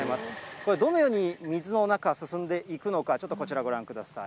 これ、どのように水の中、進んでいくのか、ちょっとこちらご覧ください。